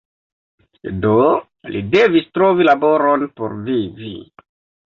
Do li devis trovi laboron por vivi.